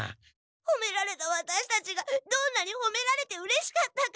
ほめられたワタシたちがどんなにほめられてうれしかったか。